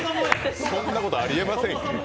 そんなことありえません、